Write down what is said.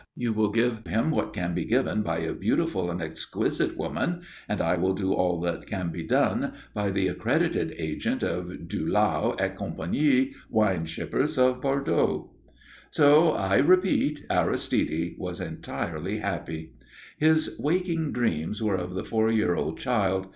You will give him what can be given by a beautiful and exquisite woman, and I will do all that can be done by the accredited agent of Dulau et Compagnie, Wine Shippers of Bordeaux." So, I repeat, Aristide was entirely happy. His waking dreams were of the four year old child.